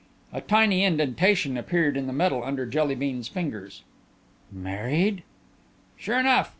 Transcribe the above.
A tiny indentation appeared in the metal under the Jelly bean's fingers. "Married?" "Sure enough.